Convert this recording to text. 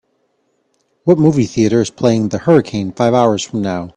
What movie theatre is palying The Hurricane five hours from now